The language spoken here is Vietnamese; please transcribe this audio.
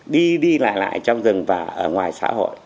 đi đi lại lại trong rừng và ở ngoài xã hội